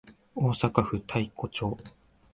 大阪府太子町